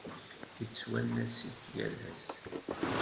Yettwanas-ik yal ass.